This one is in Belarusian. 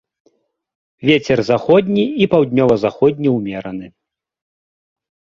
Вецер заходні і паўднёва-заходні ўмераны.